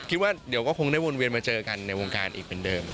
คิดว่าเดี๋ยวก็คงได้วนเวียนมาเจอกันในวงการอีกเป็นเดิม